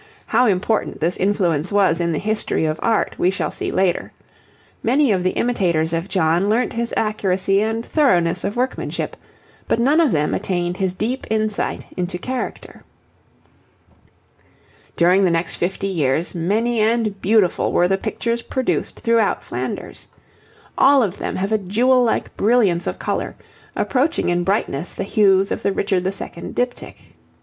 How important this influence was in the history of art we shall see later. Many of the imitators of John learnt his accuracy and thoroughness of workmanship, but none of them attained his deep insight into character. During the next fifty years many and beautiful were the pictures produced throughout Flanders. All of them have a jewel like brilliance of colour, approaching in brightness the hues of the Richard II. diptych.